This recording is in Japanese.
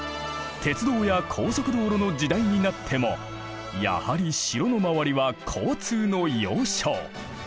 鉄道や高速道路の時代になってもやはり城の周りは交通の要衝。